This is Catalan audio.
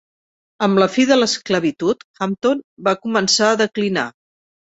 Amb la fi de l'esclavitud, Hampton va començar a declinar.